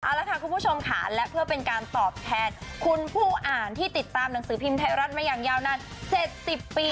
เอาละค่ะคุณผู้ชมค่ะและเพื่อเป็นการตอบแทนคุณผู้อ่านที่ติดตามหนังสือพิมพ์ไทยรัฐมาอย่างยาวนาน๗๐ปี